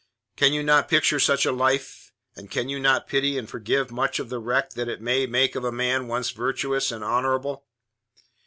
Can you not picture such a life, and can you not pity and forgive much of the wreck that it may make of a man once virtuous and honourable?"